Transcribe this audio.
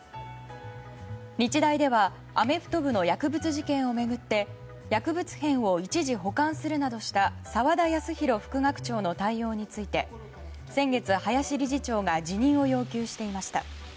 日大では、アメフト部の薬物事件を巡って薬物片を一時保管するなどした澤田康広副学長の対応について先月、林理事長が辞任を要求していました。